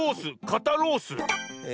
「かたロース」。